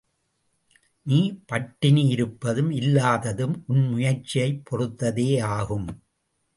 நீ பட்டினி இருப்பதும் இல்லாததும் உன் முயற்சியைப் பெறுத்ததேயாகும்.